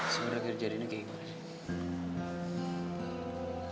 sebenarnya keadaannya kayak gimana sih